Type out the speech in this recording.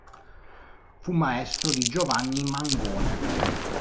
Fu maestro di Giovanni Mangone.